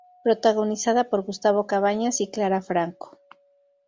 Protagonizada por Gustavo Cabañas y Clara Franco.